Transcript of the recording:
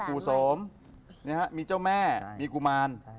ปุโสมเจ้าแม่กุมาร